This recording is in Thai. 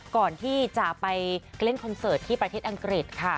ก่อนที่จะไปเล่นคอนเสิร์ตที่ประเทศอังกฤษค่ะ